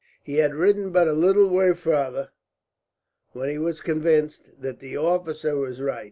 He had ridden but a little way farther, when he was convinced that the officer was right.